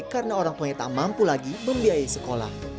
karena orang tua yang tak mampu lagi membiayai sekolah